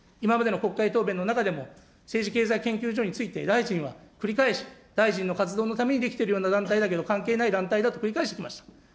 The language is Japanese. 今までの国会答弁の中でも政治経済研究所について大臣は繰り返し、大臣の活動のために出来ているような団体だけど、関係ない団体だと繰り返していました。